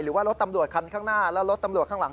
หรือว่ารถตำรวจคันข้างหน้าแล้วรถตำรวจข้างหลัง